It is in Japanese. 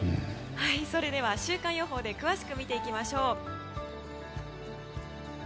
それでは週間予報で詳しく見ていきましょう。